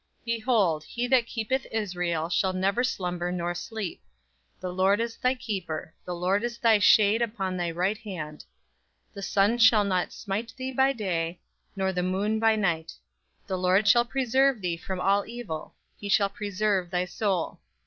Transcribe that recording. Behold, he that keepeth Israel shall neither slumber nor sleep. The Lord is thy keeper, the Lord is thy shade upon thy right hand. The sun shall not smite thee by day, nor the moon by night. The Lord shall preserve thee from all evil: he shall preserve thy soul.